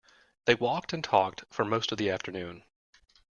They walked and talked for most of the afternoon.